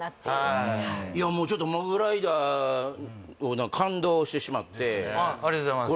はいいやもうちょっとモグライダー感動してしまってはいありがとうございます